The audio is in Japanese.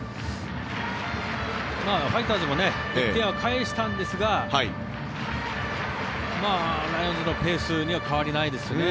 ファイターズも１点は返したんですがライオンズのペースには変わりないですよね。